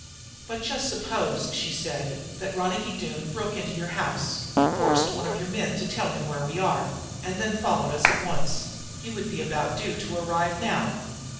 "But just suppose," she said, "that Ronicky Doone broke into your house, forced one of your men to tell him where we are, and then followed us at once. He would be about due to arrive now.